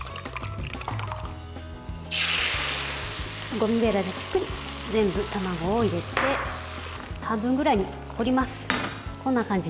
ゴムべらで、しっかり全部卵を入れて半分ぐらいに折ります。